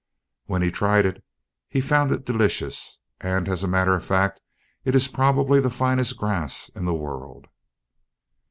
When he tried it he found it delicious, and as a matter of fact it is probably the finest grass in the world.